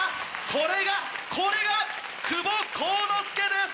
これがこれが久保滉之介です！